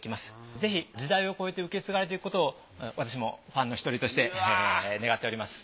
ぜひ時代を超えて受け継がれていくことを私もファンの一人として願っております。